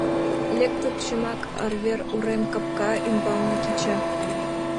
Лектыт, чынак, арвер урем капка ӱмбалне кеча.